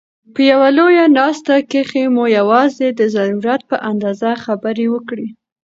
په یوه لویه ناست کښي مو یوازي د ضرورت په اندازه خبري وکړئ!